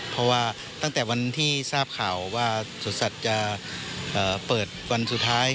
เพราะว่าตั้งแต่วันที่ทราบข่าวว่าสวนสัตว์จะเปิดวันสุดท้าย